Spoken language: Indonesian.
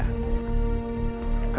tidak tahu pak kiai